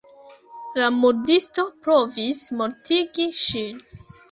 La murdisto provis mortigi ŝin.